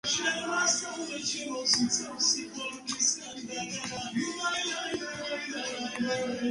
ტელეკომპანია დოჟდი ფოკუსს ახდენს ახალ ამბებზე, კულტურაზე, პოლიტიკაზე, ბიზნეს სიახლეებზე და დოკუმენტურ ფილმებზე.